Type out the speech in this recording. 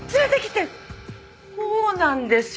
こうなんですよ。